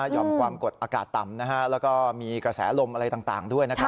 ความกดอากาศต่ำแล้วก็มีกระแสลมอะไรต่างด้วยนะครับ